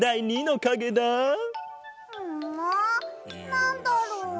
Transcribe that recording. なんだろう？